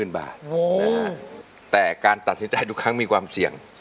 แต่การตัดสินใจทุกครั้งมีความเสี่ยง